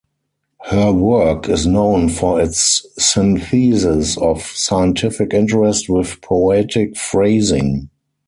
Her work is known for its synthesis of scientific interest with poetic phrasing.